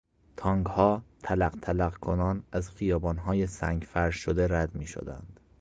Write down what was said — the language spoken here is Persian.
تانکها تلق تلق کنان از خیابانهای سنگفرش شده رد میشدند.